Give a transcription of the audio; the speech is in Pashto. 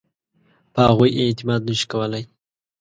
په هغوی یې اعتماد نه شو کولای.